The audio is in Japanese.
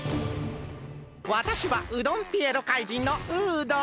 わたしはうどんピエロ怪人のウードン！